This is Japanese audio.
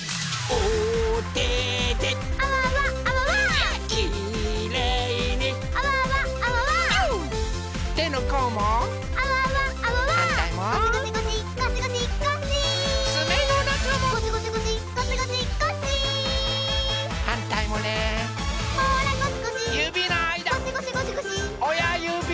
おやゆび！